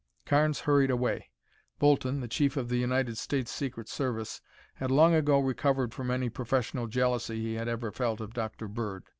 Carnes hurried away. Bolton, the chief of the United States Secret Service, had long ago recovered from any professional jealousy he had ever felt of Dr. Bird.